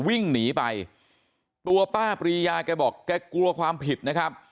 วิ่งหนีไปตัวป้าปรียาแกบอกแกกลัวความผิดนะครับ